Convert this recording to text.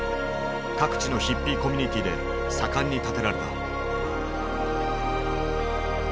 各地のヒッピーコミュニティーで盛んに建てられた。